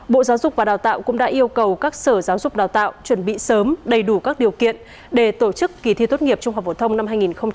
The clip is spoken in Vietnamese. bộ giáo dục và đào tạo cũng đã yêu cầu các sở giáo dục đào tạo chuẩn bị sớm đầy đủ các điều kiện để tổ chức kỳ thi tốt nghiệp trung học phổ thông năm hai nghìn hai mươi